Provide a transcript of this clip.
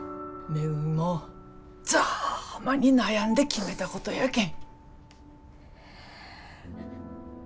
みもざぁまに悩んで決めたことやけん。